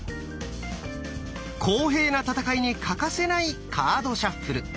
公平な戦いに欠かせないカードシャッフル。